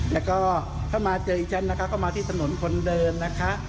แล้วก็ถ้ามาเจอดิฉันนะคะก็มาที่ถนนคนเดินนะคะ